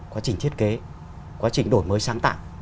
quá trình thiết kế quá trình đổi mới sáng tạo